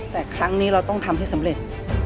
แต่ครั้งนี้เราต้องทำให้สำเร็จ